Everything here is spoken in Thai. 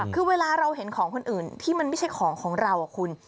คือเวลาเราเห็นของคนอื่นที่มันไม่ใช่ของของเราคุณ